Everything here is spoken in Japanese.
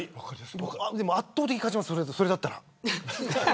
でも圧倒的に勝ちますそれだったら。